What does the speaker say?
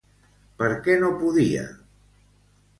Per què no podia?